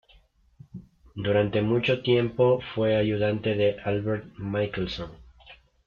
Durante mucho tiempo fue ayudante de Albert Michelson.